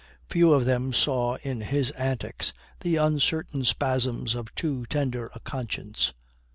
Few of them saw in his antics the uncertain spasms of too tender a conscience.